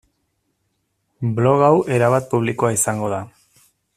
Blog hau erabat publikoa izango da.